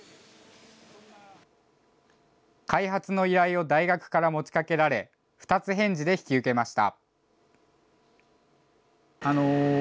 開発の依頼を大学から持ちかけられ、二つ返事で引き受けました。